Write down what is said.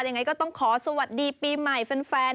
ยังไงก็ต้องขอสวัสดีปีใหม่แฟน